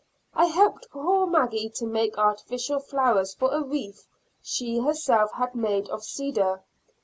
I helped poor Maggy to make artificial flowers for a wreath she herself had made of cedar.